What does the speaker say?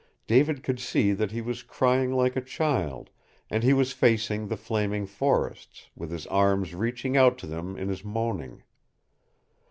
David could see that he was crying like a child, and he was facing the flaming forests, with his arms reaching out to them in his moaning.